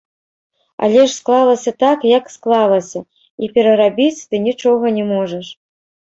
Але ж склалася так, як склалася, і перарабіць ты нічога не можаш.